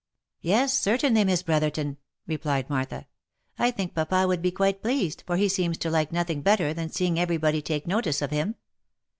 " Yes, certainly, Miss Brotherton," replied Martha, u I think papa would be quite pleased, for he seems to like nothing better than seeing every body take notice of him."